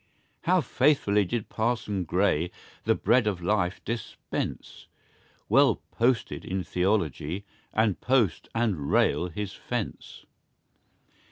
How faithfully did Parson Gray The bread of life dispense Well "posted" in theology, And post and rail his fence.